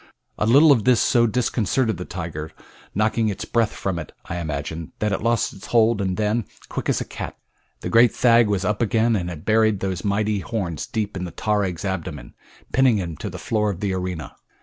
A little of this so disconcerted the tiger, knocking its breath from it I imagine, that it lost its hold and then, quick as a cat, the great thag was up again and had buried those mighty horns deep in the tarag's abdomen, pinning him to the floor of the arena.